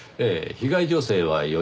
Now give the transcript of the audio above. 被害女性は４人。